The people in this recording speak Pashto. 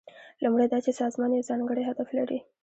لومړی دا چې سازمان یو ځانګړی هدف لري.